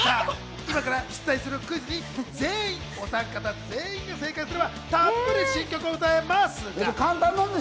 今から出題するクイズに全員、おさん方、全員が正解すれば、たっぷり新曲を歌えますが。